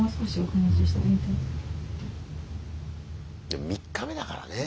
でも３日目だからね。